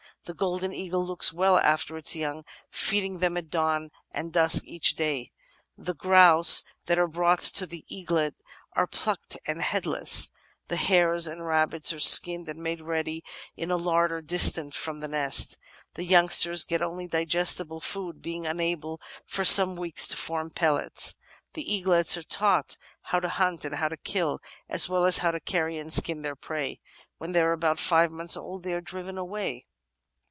The Golden Eagle looks well after its young, feeding them at dawn and dusk each day. "The Grouse that are brought to the eaglet are plucked and headless; the Hares and Rabbits are skinned and made ready in a larder distant from the nest; the youngsters get only digestible food, being unable for some weeks to form pellets." The eaglets are taught how to hunt and how to kill, as well as how to carry and skin their prey. When they are about five months old they are driven away.